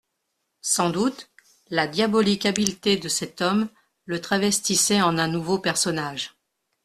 Sans doute, la diabolique habileté de cet homme le travestissait en un nouveau personnage.